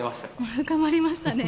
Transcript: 深まりましたね。